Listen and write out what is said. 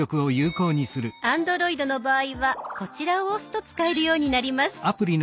Ａｎｄｒｏｉｄの場合はこちらを押すと使えるようになります。